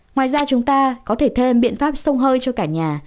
ngoài ra chúng ta có thể thêm biện pháp sông hơi cho cả nhà